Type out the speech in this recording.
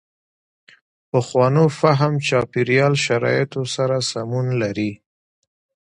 پخوانو فهم چاپېریال شرایطو سره سمون لري.